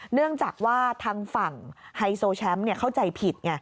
เนื่องจากว่าทางฝั่งไฮโซแชมป์เข้าใจผิดไง